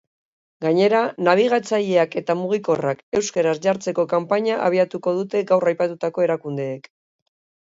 Gainera, nabigatzaileak eta mugikorrak euskaraz jartzeko kanpaina abiatuko dute gaur aipatutako erakundeek.